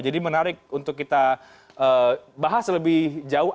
jadi menarik untuk kita bahas lebih jauh